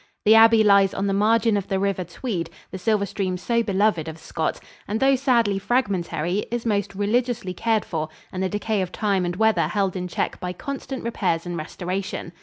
The abbey lies on the margin of the River Tweed, the silver stream so beloved of Scott, and though sadly fragmentary, is most religiously cared for and the decay of time and weather held in check by constant repairs and restoration.